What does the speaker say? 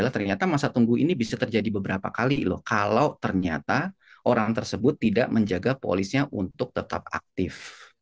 ternyata masa tunggu ini bisa terjadi beberapa kali loh kalau ternyata orang tersebut tidak menjaga polisnya untuk tetap aktif